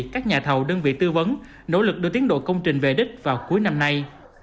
các nhà thầu đơn vị tư vấn nỗ lực đưa tiến độ công trình về đích vào cuối năm nay